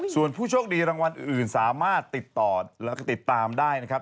ส่วนผู้โชคดีรางวัลอื่นสามารถติดต่อแล้วก็ติดตามได้นะครับ